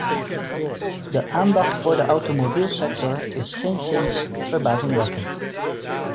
De aandacht voor de automobielsector is geenszins verbazingwekkend.